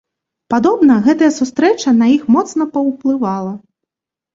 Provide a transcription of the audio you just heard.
Падобна, гэтая сустрэча на іх моцна паўплывала.